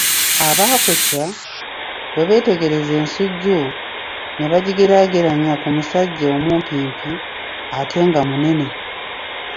Abaakoca bwe beetegereza ensujju ne bagigeraageranya ku musajja omumpimpi ate nga munene.